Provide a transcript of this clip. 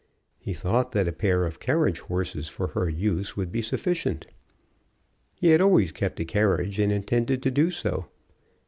He thought that a pair of carriage horses for her use would be sufficient. He had always kept a carriage, and intended to do so.